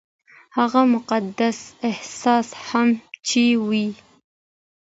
هغه مقدس احساس هم چې وايي-